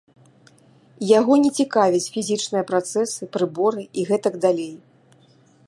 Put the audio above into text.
Яго не цікавяць фізічныя працэсы, прыборы і гэтак далей.